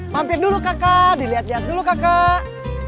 mampir dulu kakak dilihat lihat dulu kakak